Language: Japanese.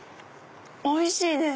おいしいです！